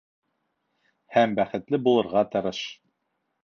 Һәм бәхетле булырға тырыш.